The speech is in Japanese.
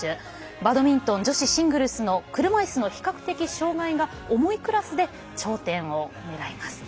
バドミントン女子シングルスの車いすの比較的障がいが重いクラスで頂点をねらいます。